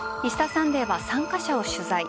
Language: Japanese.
「Ｍｒ．サンデー」は参加者を取材。